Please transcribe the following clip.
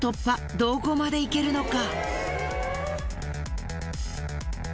どこまでいけるのか？